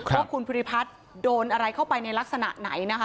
ว่าคุณภูริพัฒน์โดนอะไรเข้าไปในลักษณะไหนนะคะ